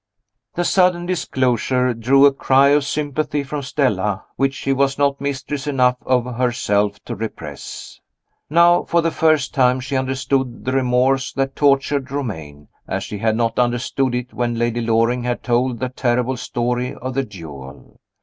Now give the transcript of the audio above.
The sudden disclosure drew a cry of sympathy from Stella, which she was not mistress enough of herself to repress. Now for the first time she understood the remorse that tortured Romayne, as she had not understood it when Lady Loring had told her the terrible story of the duel.